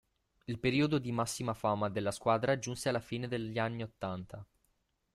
Il periodo di massima fama della squadra giunse alla fine degli anni ottanta.